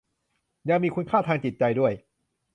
ยังมีคุณค่าทางจิตใจด้วย